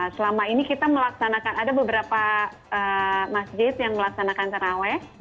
selama ini kita melaksanakan ada beberapa masjid yang melaksanakan terawih